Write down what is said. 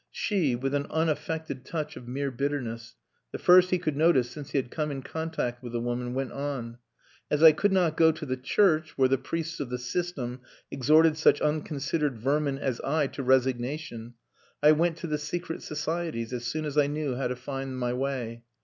She, with an unaffected touch of mere bitterness, the first he could notice since he had come in contact with the woman, went on "As I could not go to the Church where the priests of the system exhorted such unconsidered vermin as I to resignation, I went to the secret societies as soon as I knew how to find my way.